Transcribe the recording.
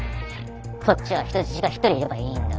こっちは人質が１人いればいいんだ。